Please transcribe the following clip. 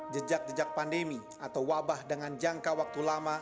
jejak jejak pandemi atau wabah dengan jangka waktu lama